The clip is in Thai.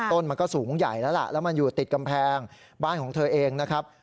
ต้นมันก็สูงใหญ่แล้วล่ะแล้วมันอยู่ติดกำแพงบ้านของเธอเองนะครับ